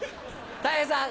たい平さん。